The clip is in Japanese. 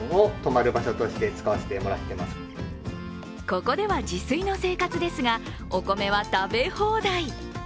ここでは自炊の生活ですが、お米は食べ放題。